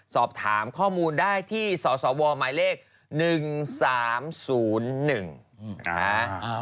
สอบถามข้อมูลได้ที่สสวหมายเลข๑๓๐๑นะฮะ